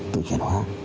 tự chuyển hóa